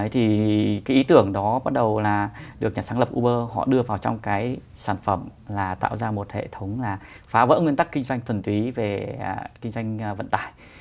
thì cái ý tưởng đó bắt đầu là được nhà sáng lập uber họ đưa vào trong cái sản phẩm là tạo ra một hệ thống là phá vỡ nguyên tắc kinh doanh thuần túy về kinh doanh vận tải